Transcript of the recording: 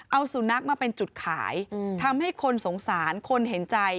เอาสุนัขมาเป็นจุดขายทำให้คนสงสารคนเห็นใจ